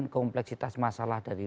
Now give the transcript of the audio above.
kompleksitas masalah dari